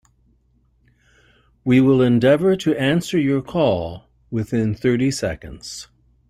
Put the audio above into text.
We will endeavour to answer your call within thirty seconds.